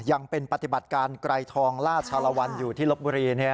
ยังเป็นปฏิบัติการไกรทองล่าชาลวันอยู่ที่ลบบุรี